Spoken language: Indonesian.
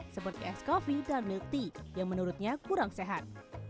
seperti es kopi dan milk tea yang menurutnya kurang sehat